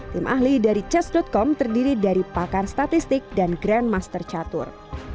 tim ahli dari chess com terdiri dari pakar statistik dan grandmaster catur